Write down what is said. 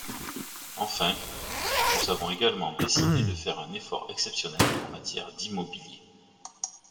Enfin, nous avons également décidé de faire un effort exceptionnel en matière d’immobilier.